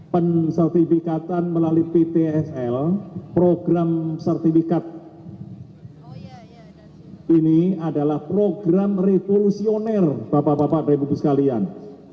pensertifikatan melalui ptsl program sertifikat ini adalah program revolusioner bapak bapak dan ibu ibu sekalian